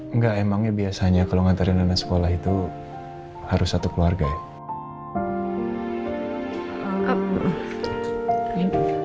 enggak emangnya biasanya kalau ngantarin anak sekolah itu harus satu keluarga ya